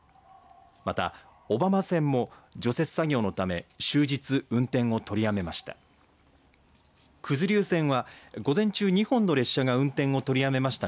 また、小浜線も除雪作業のため終日運転を取りやめました。